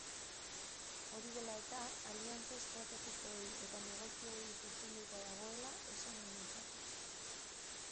Hori dela eta, aliantza estrategikoei eta negozioei zuzenduta dagoela esan genezake.